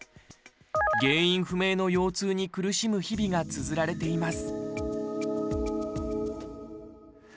原因不明の腰痛に苦しむ日々がつづられています。